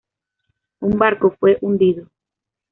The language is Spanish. Un barco fue hundido.